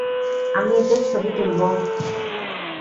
আমি এদের ছবি তুলবো।